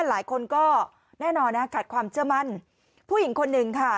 หลายคนก็แน่นอนนะขาดความเชื่อมั่นผู้หญิงคนหนึ่งค่ะ